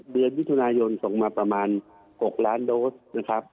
เดือนมิถุนายนส่งมาประมาณ๖ล้านโดสนะครับ